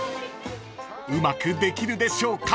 ［うまくできるでしょうか？］